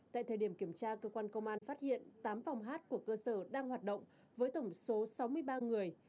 tại thời điểm kiểm tra cơ quan công an phát hiện tám phòng hát của cơ sở đang hoạt động với tổng số sáu mươi ba người